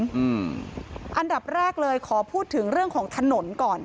อืมอันดับแรกเลยขอพูดถึงเรื่องของถนนก่อน